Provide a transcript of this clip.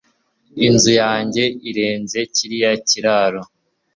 inzu yanjye irenze kiriya kiraro